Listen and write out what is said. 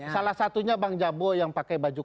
salah satunya bang jabo yang pakai baju